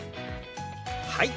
はい！